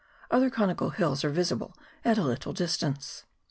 Other conical hills are visible at a little distance.